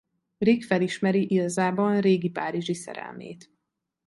Rick felismeri Ilsában régi párizsi szerelmét.